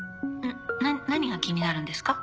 な何が気になるんですか？